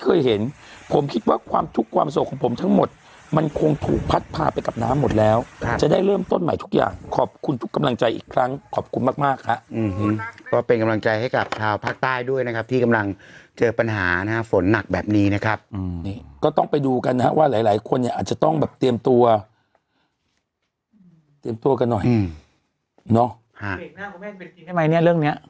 พร้อมต้นใหม่ทุกอย่างขอบคุณทุกคนด้วยกำลังใจอีกครั้งขอบคุณมากฮะก็เป็นกำลังใจให้คราวภาคไต้ด้วยนะครับที่กำลังเจอปัญหานะฝนหนักแบบนี้นะครับก็ต้องไปดูกันนะว่าหลายควรเนี่ยอาจจะต้องแต่เตรียมตัวกันหน่อย